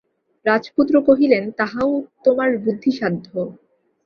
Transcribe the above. রাজপুত্র কহিলেন, তাহাও তোমার বুদ্ধিসাধ্য।